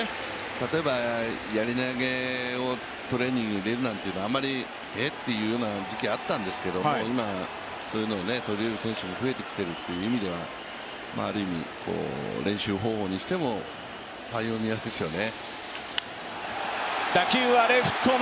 例えば、やり投をトレーニングに入れるなんていうのは、えっ、という時期があったんですけど、今、そういうのを取り入れる選手も増えてきているという意味では練習方法にしてもパイオニアですよね。